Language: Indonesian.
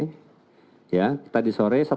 satu penyerahan ke provinsi jawa barat